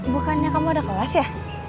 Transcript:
bukannya kamu ada kelas ya